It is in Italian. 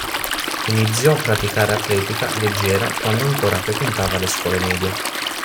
Iniziò a praticare atletica leggera quando ancora frequentava la scuole medie.